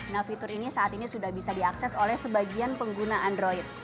nah fitur ini saat ini sudah bisa diakses oleh sebagian pengguna android